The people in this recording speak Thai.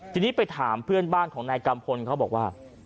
ทีนี้ไปถามเพื่อนบ้านของนายกัมพลเขาบอกว่า